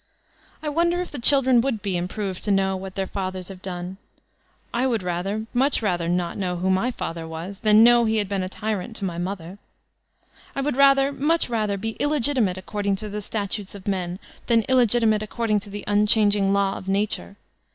I wonder if the children would be improved to know what their fathers have done. I would rather, much rather, not know who my father was than know he had been a tyrant to my mother. I would rather, mudi rather, be illegitimate according to the statutes of men, than illegitimate according to the unchanging law of Nature.